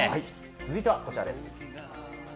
続いてはこちらです。